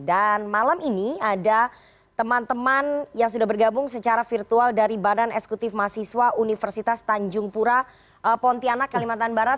dan malam ini ada teman teman yang sudah bergabung secara virtual dari badan eksekutif mahasiswa universitas tanjung pura pontianak kalimantan barat